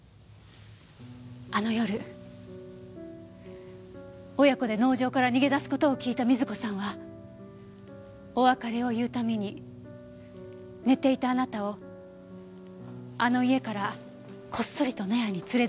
あの夜親子で農場から逃げ出す事を聞いた瑞子さんはお別れを言うために寝ていたあなたをあの家からこっそりと納屋に連れ出したの。